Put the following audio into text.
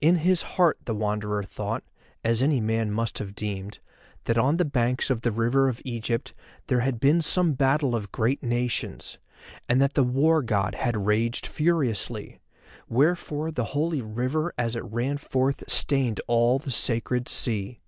In his heart the Wanderer thought, as any man must have deemed, that on the banks of the River of Egypt there had been some battle of great nations, and that the War God had raged furiously, wherefore the holy river as it ran forth stained all the sacred sea.